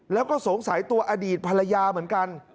แล้วก็สงสัยตัวอดีตภรรยาเหมือนกัน